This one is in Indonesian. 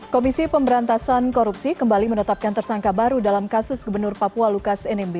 komisi pemberantasan korupsi kembali menetapkan tersangka baru dalam kasus gubernur papua lukas nmb